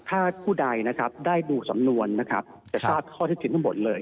ถ้าผู้ใดนะครับได้ดูสำนวนนะครับจะทราบข้อเท็จจริงทั้งหมดเลย